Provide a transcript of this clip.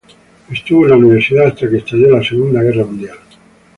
Estuvo en la universidad hasta que estalló la Segunda Guerra Mundial.